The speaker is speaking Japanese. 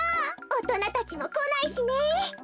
おとなたちもこないしね。